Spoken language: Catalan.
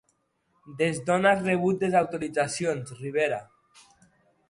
Des d'on havia rebut desautoritzacions Rivera?